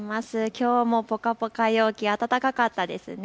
きょうもぽかぽか陽気、暖かかったですね。